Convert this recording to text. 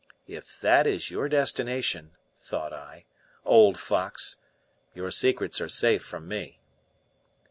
"If that is your destination," thought I, "old fox, your secrets are safe from me."